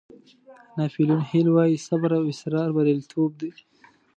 ناپیلیون هیل وایي صبر او اصرار بریالیتوب دی.